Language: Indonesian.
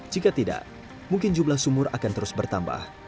jika tidak mungkin jumlah sumur akan terus bertambah